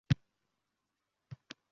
Hazilkashlar ko‘tarar g‘avg‘o.